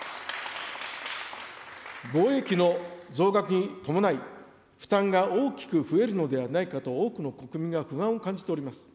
防衛費の増額に伴い、負担が大きく増えるのではないかと多くの国民が不安を感じております。